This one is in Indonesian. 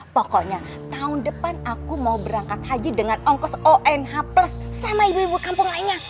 pokoknya tahun depan aku mau berangkat haji dengan ongkos on h plus sama ibu ibu kampung lainnya